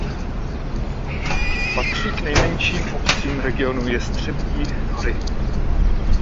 Patří k nejmenším obcím regionu Jestřebí hory.